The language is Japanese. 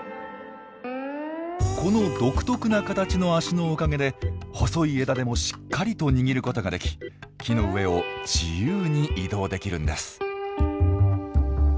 この独特な形の足のおかげで細い枝でもしっかりと握ることができ木の上を自由に移動できるんです。